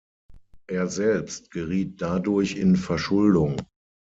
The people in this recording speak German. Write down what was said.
Er selbst geriet dadurch in Verschuldung.